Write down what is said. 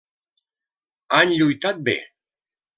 Han lluitat bé.